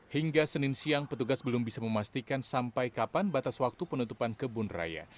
hingga senin siang petugas belum bisa memastikan sampai kapan batas waktu penutupan kebun raya